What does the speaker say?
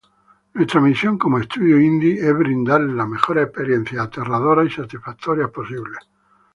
Nuestra misión como estudio indie es brindarle las mejores experiencias aterradoras y satisfactorias posibles.